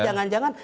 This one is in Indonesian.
atau yang betul